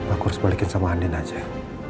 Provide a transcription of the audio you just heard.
aku harus balikin sama andi aja ya